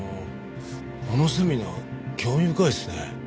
あのセミナー興味深いですね。